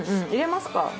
入れますか！